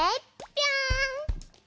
ぴょん！